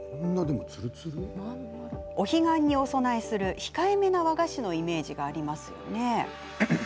お彼岸にお供えする控えめな和菓子のイメージがありますよね。